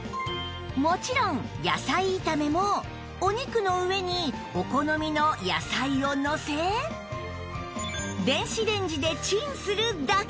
もちろん野菜炒めもお肉の上にお好みの野菜をのせ電子レンジでチンするだけ！